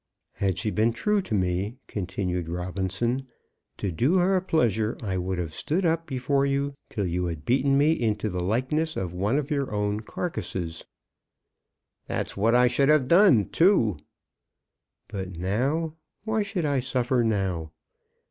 "Had she been true to me," continued Robinson, "to do her a pleasure I would have stood up before you till you had beaten me into the likeness of one of your own carcases." "That's what I should have done, too." "But now; why should I suffer now?"